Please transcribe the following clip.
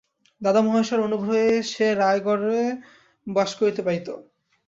দাদামহাশয়ের অনুগ্রহে সে রায়গড়ে বাস করিতে পাইত।